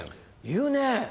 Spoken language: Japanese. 言うねぇ。